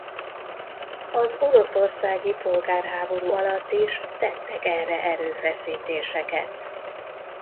Az oroszországi polgárháború alatt is tettek erre erőfeszítéseket.